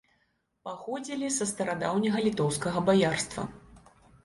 Паходзілі са старадаўняга літоўскага баярства.